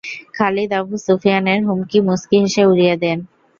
Khalid Abu সুফিয়ানের হুমকি মুচকি হেসে উড়িয়ে দেন।